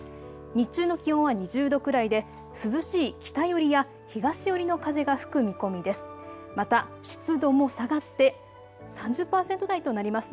日中の気温は２０度くらいで涼しい北寄りや東寄りの風が吹く見込みです。